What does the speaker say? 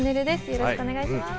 よろしくお願いします。